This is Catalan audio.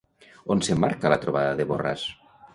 On s'emmarca la trobada de Borràs?